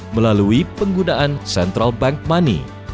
melalui penggunaan central bank money